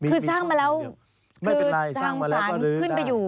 คือสร้างมาแล้วคือทางศาลขึ้นไปอยู่